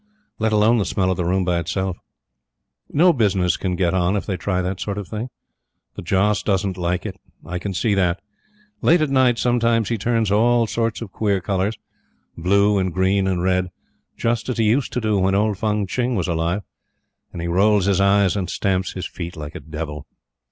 Let alone the smell of the room by itself. No business can get on if they try that sort of thing. The Joss doesn't like it. I can see that. Late at night, sometimes, he turns all sorts of queer colors blue and green and red just as he used to do when old Fung Tching was alive; and he rolls his eyes and stamps his feet like a devil.